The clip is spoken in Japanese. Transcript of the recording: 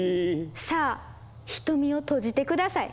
さあ瞳を閉じて下さい。